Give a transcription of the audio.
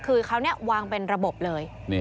คือเขาวางเป็นระบบเลย